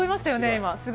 今。